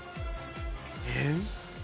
えっ？